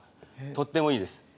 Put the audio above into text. とってもいいです。